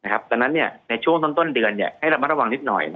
ดังนั้นในช่วงต้นเดือนให้ระมัดระวังนิดหน่อย